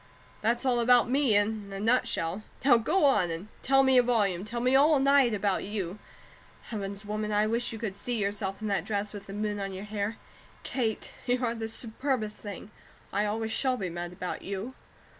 That's all about me, in a nutshell; now go on and tell me a volume, tell me all night, about you. Heavens, woman, I wish you could see yourself, in that dress with the moon on your hair. Kate, you are the superbest thing! I always shall be mad about you.